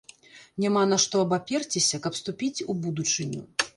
Няма на што абаперціся, каб ступіць у будучыню.